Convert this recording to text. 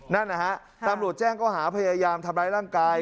นั่นนะฮะตำรวจแจ้งก็หาพยายามทำร้ายร่างกาย